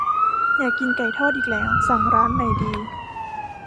อยากกินไก่ทอดอีกแล้ว สั่งร้านไหนดี